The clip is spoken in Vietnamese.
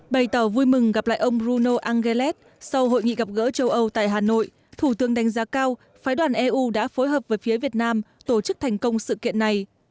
bày tỏ vui mừng gặp lại ông bruno angeles sau hội nghị gặp gỡ châu âu tại hà nội thủ tướng đánh giá cao phái đoàn eu đã phối hợp với phía việt nam tổ chức thành công sự kiện này